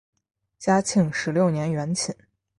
嘉庆十六年园寝。